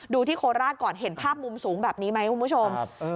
ที่โคราชก่อนเห็นภาพมุมสูงแบบนี้ไหมคุณผู้ชม